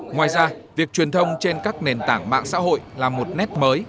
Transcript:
ngoài ra việc truyền thông trên các nền tảng mạng xã hội là một nét mới